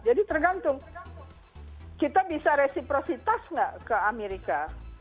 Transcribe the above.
jadi tergantung kita bisa resiprositas nggak ke amerika